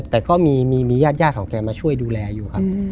แต่ก็มีญาติของแกมาช่วยดูแลอยู่ครับ